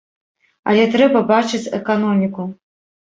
Але трэба бачыць эканоміку.